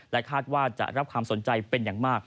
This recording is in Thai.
คาดว่าจะรับความสนใจเป็นอย่างมาก